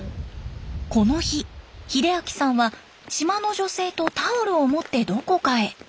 この日秀明さんは島の女性とタオルを持ってどこかへ。